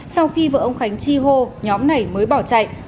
sau khi vợ ông khánh chi hô nhóm này mới bỏ chạy